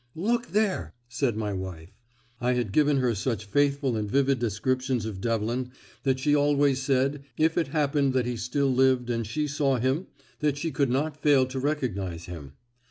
"Look there!" said my wife. I had given her such faithful and vivid descriptions of Devlin that she always said, if it happened that he still lived and she saw him, that she could not fail to recognise him.